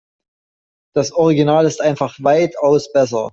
Das Original ist einfach weitaus besser.